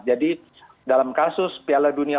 jadi dalam karya indonesia kita harus berpikir